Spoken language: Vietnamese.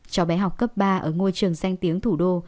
cho bé học cấp ba ở ngôi trường danh tiếng thủ đô